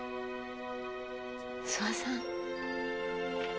諏訪さん。